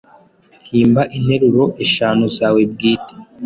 Himba interuro eshanu zawe bwite